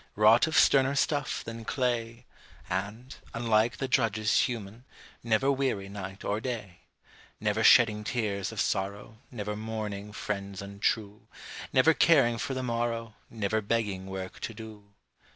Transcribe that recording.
Wrought of sterner stuff than clay; And, unlike the drudges human, Never weary night or day; Never shedding tears of sorrow, Never mourning friends untrue, Never caring for the morrow, Never begging work to do.